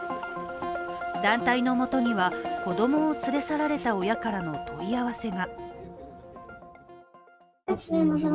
団体の元には子供を連れ去られた親からの問い合わせが。